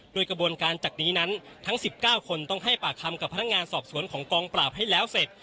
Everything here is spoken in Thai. โดยกระบวนการจากนี้นั้นทั้ง๑๙คนต้องให้ปากคำกับพนักงานสอบสวนของกองปราบให้แล้วเสร็จ